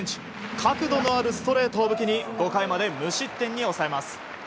角度のあるストレートを武器に５回まで無失点に抑えます。